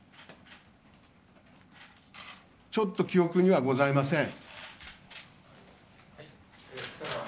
ちょっと記憶にはございません。